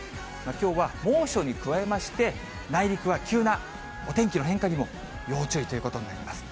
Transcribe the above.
きょうは猛暑に加えまして、内陸は急なお天気の変化にも要注意ということになります。